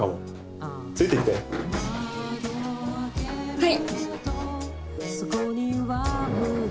はい！